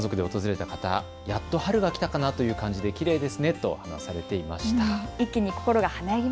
家族で訪れた方、やっと春が来たかなという感じできれいですねと話されていました。